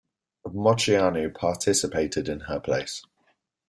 Moceanu participated in her place.